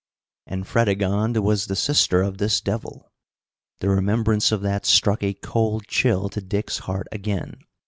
And Fredegonde was the sister of this devil! The remembrance of that struck a cold chill to Dick's heart again.